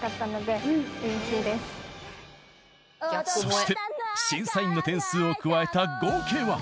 そして審査員の点数を加えた合計は。